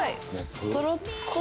とろっとろ。